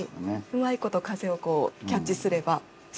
うまいこと風をキャッチすればスイスイと。